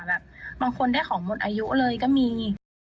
แบบบางคนได้ของหมดอายุเลยก็มี